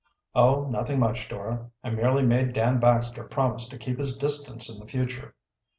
"Oh, nothing much, Dora. I merely made Dan Baxter promise to keep his distance in the future."